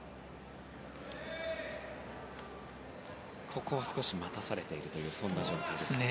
ここは少し待たされているというそんな状態ですね。